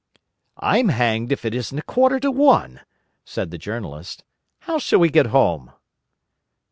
"I'm hanged if it isn't a quarter to one," said the Journalist. "How shall we get home?"